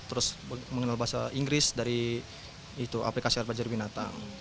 terus mengenal bahasa inggris dari aplikasi ar belajar binatang